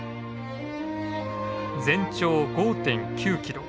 全長５．９キロ。